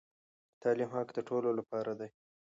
د تعليم حق د ټولو لپاره دی.